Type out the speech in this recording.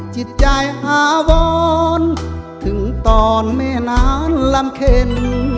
จิตใจอาวรถึงตอนแม่น้ำลำเข็น